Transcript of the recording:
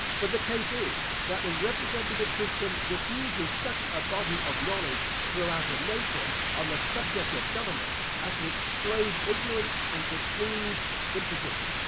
But the case is, that the representative system diffuses such a body of knowledge throughout a nation, on the subject of government, as to explode ignorance and preclude imposition.